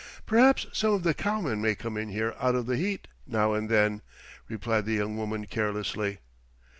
"Perhaps some of the cowmen may come in here out of the heat, now and then," replied the young woman carelessly.